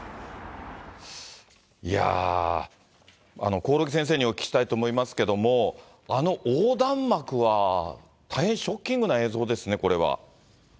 いやー、興梠先生にお聞きしたいと思いますけれども、あの横断幕は、大変ショッキングな映像ですね、これは。